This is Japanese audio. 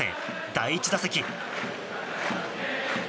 第１打席。